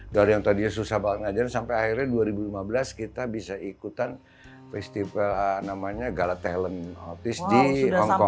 dari yang tadinya susah banget ngajarin sampai akhirnya dua ribu lima belas kita bisa ikutan festival namanya gala talent autis di hongkong